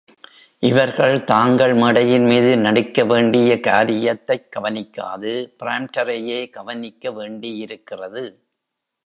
இவர்கள் தாங்கள் மேடையின்மீது நடிக்க வேண்டிய காரியத்தைக் கவனியாது, பிராம்டரையே கவனிக்க வேண்டியிருக்கிறது.